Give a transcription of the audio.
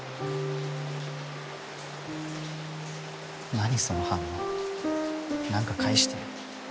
何その反応何か返してよ。